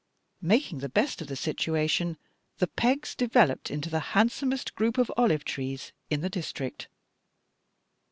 Making the best of the situation, the pegs developed into the handsomest group of olive trees in the district."